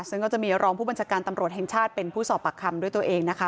ซึ่งก็จะมีรองผู้บัญชาการตำรวจแห่งชาติเป็นผู้สอบปากคำด้วยตัวเองนะคะ